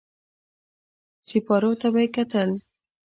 سېپارو ته به يې کتل.